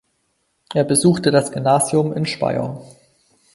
Er besuchte das Gymnasium in Speyer.